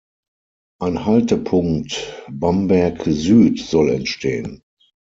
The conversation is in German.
Ein Haltepunkt Bamberg Süd soll entstehen.